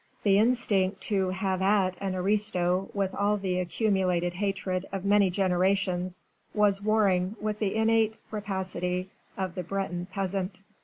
The instinct to "have at" an aristo with all the accumulated hatred of many generations was warring with the innate rapacity of the Breton peasant.